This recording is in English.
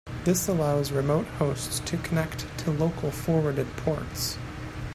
This allows remote hosts to connect to local forwarded ports.